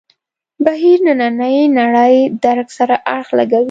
بهیر نننۍ نړۍ درک سره اړخ لګوي.